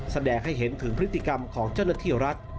แสดงให้เห็นถึงพฤติกรรมของเจ้าหน้าที่รัฐ